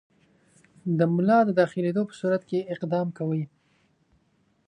د ملا د داخلېدلو په صورت کې اقدام کوئ.